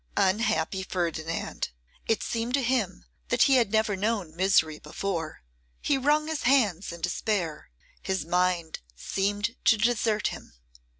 Unhappy Ferdinand! It seemed to him that he had never known misery before. He wrung his hands in despair; his mind seemed to desert him.